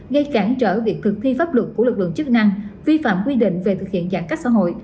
gây cản trở việc thực thi pháp luật của lực lượng chức năng vi phạm quy định về thực hiện giãn cách xã hội